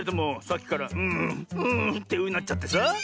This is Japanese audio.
さっきから「うんうん」ってうなっちゃってさ。